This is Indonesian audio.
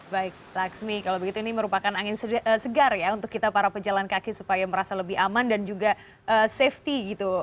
baik laksmi kalau begitu ini merupakan angin segar ya untuk kita para pejalan kaki supaya merasa lebih aman dan juga safety gitu